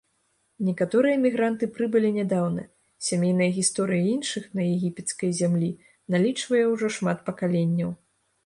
Некаторыя мігранты прыбылі нядаўна, сямейная гісторыя іншых на егіпецкай зямлі налічвае ўжо шмат пакаленняў.